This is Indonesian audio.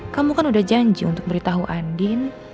kamu kan udah janji untuk beritahu andin